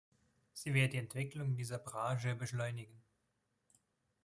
Sie wird die Entwicklung dieser Branche beschleunigen.